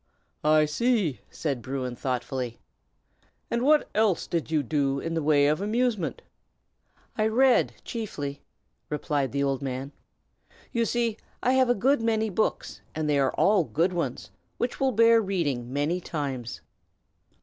"I see!" said Bruin, thoughtfully. "And what else did you do in the way of amusement?" "I read, chiefly," replied the old man. "You see I have a good many books, and they are all good ones, which will bear reading many times."